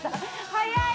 早い！